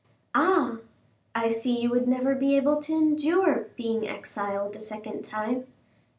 "Ah! I see you would never be able to endure being exiled a second time."